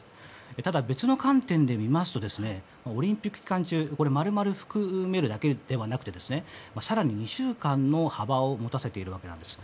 ただ、別の観点で見ますとオリンピック期間中を丸々含むだけでなくて更に２週間の幅を持たせているわけです。